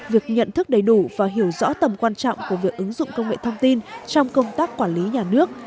việc nhận thức đầy đủ và hiểu rõ tầm quan trọng của việc ứng dụng công nghệ thông tin trong công tác quản lý nhà nước